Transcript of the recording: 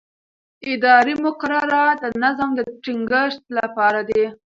اداري مقررات د نظم د ټینګښت لپاره دي.